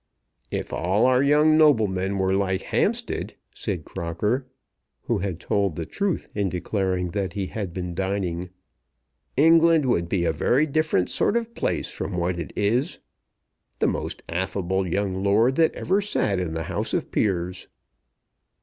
"If all our young noblemen were like Hampstead," said Crocker, who had told the truth in declaring that he had been dining, "England would be a very different sort of place from what it is. The most affable young lord that ever sat in the House of Peers."